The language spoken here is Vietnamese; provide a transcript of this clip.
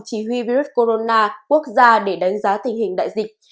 chỉ huy virus corona quốc gia để đánh giá tình hình đại dịch